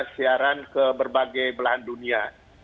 siaran ke berbagai belahan dunia